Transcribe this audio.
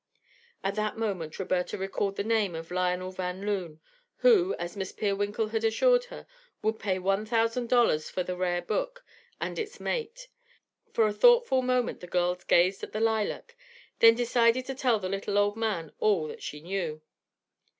At that moment Roberta recalled the name of Lionel Van Loon, who, as Miss Peerwinkle had assured her, would pay one thousand dollars for the rare book and its mate. For a thoughtful moment the girl gazed at the lilac, then decided to tell the little old man all that she knew.